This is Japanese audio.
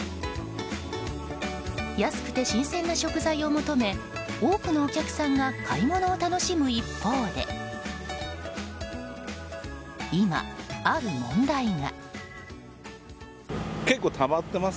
安くて新鮮な食材を求め多くのお客さんが買い物を楽しむ一方で今、ある問題が。